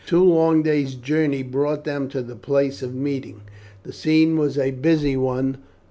Two long days' journey brought them to the place of meeting. The scene was a busy one.